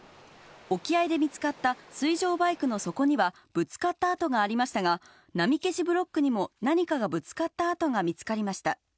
沖合で見つかった水上バイクの底には、ぶつかった跡がありましたが、波消しブロックにも何かがぶつかった跡が見つかりました。